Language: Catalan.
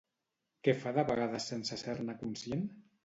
Què fa de vegades sense ser-ne conscient?